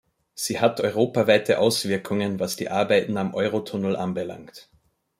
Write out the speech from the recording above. Sie hat europaweite Auswirkungen, was die Arbeiten am Eurotunnel anbelangt.